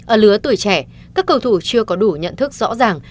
ở lứa tuổi trẻ các cầu thủ chưa có đủ nhận thức rõ ràng